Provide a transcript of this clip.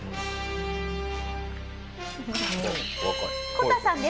こたさんです。